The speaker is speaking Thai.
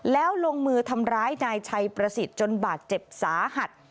แล้วลงมือทำร้ายนายชัยประสิทธิ์จนบาดเจ็บสาหัส